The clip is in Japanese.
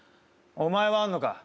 お前はあんのか？